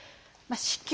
「子宮」。